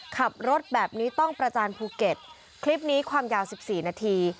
ขับรถแบบนี้ต้องประจานภูเก็ตคลิปนี้ความยาวสิบสี่นาที